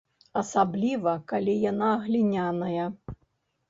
Асабліва калі яна гліняная.